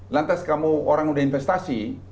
lantas kamu orang udah investasi